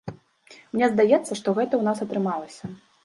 Мне здаецца, што гэта ў нас атрымалася.